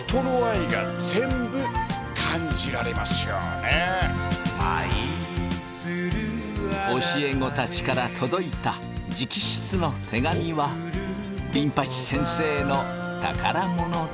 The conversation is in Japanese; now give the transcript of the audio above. やっぱりね教え子たちから届いた直筆の手紙はビン八先生の宝物だ。